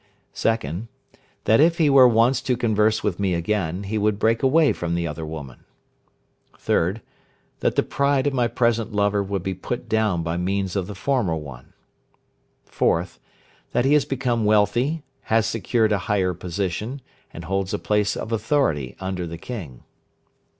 2nd. That if he were once to converse with me again, he would break away from the other woman. 3rd. That the pride of my present lover would be put down by means of the former one. 4th. That he has become wealthy, has secured a higher position, and holds a place of authority under the King.